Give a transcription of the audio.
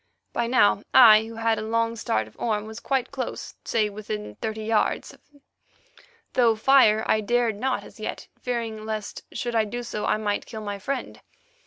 By now I, who had a long start of Orme, was quite close, say within thirty yards, though fire I dared not as yet, fearing lest, should I do so, I might kill my friend.